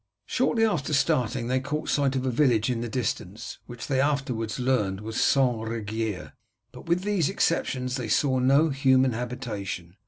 Shortly after starting they caught sight of a village in the distance, which they afterwards learned was St. Riguier, but with these exceptions saw no human habitation.